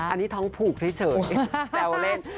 อันนี้ท้องผูกเฉยแซวเล่น